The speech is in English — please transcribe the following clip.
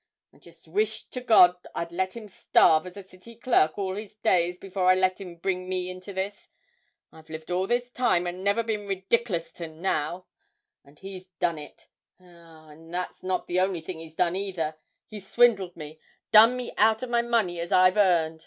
I wish to God I'd let him starve as a City clerk all his days before I let him bring me to this. I've lived all this time and never been ridiclous till now, and he's done it. Ah! and that's not the only thing he's done either he's swindled me, done me out o' my money as I've earned.